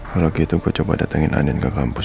kalau gitu gue coba datengin anin ke kampus